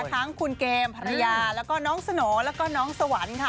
ทั้งคุณเกมภรรยาแล้วก็น้องสโหน่แล้วก็น้องสวรรค์ค่ะ